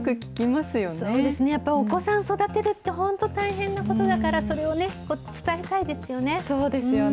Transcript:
お子さん育てるって、本当大変なことだから、それをね、伝えたいですよね。